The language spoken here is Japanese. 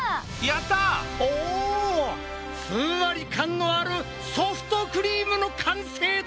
ふんわり感のあるソフトクリームの完成だ！